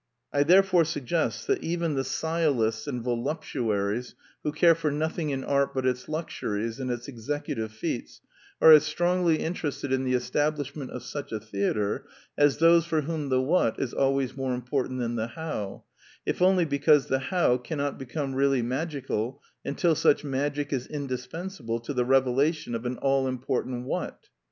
I therefore suggest that even the sciolists Needed: an Ibsen Theatre 239 and voluptuaries who care for nothing in art but its luxuries and its executive feats are as strongly interested in the establishment of such a theatre as those for whom the What is always more im portant than the How, if only because the How cannot become really magical until such magic is indispensable to the revelation of an all im portant What.